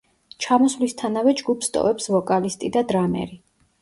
ჩამოსვლისთანავე ჯგუფს ტოვებს ვოკალისტი და დრამერი.